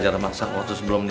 kalau punya resiko jadi dua